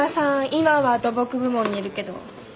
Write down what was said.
今は土木部門にいるけどいずれ